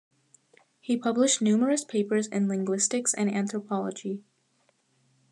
He published numerous papers in linguistics and anthropology.